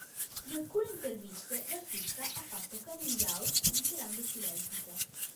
In alcune interviste, l'artista ha fatto coming out dichiarandosi lesbica.